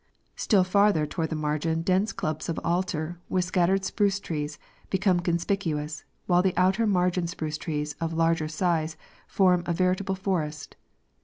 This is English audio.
Still farther toward the margin dense clumps of alder, with scattered spruce trees, become conspicuous, while on the outer margin spruce trees of larger size form a veritable forest.